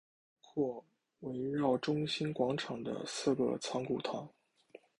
圣玛洛公墓包括围绕中心广场的四个藏骨堂。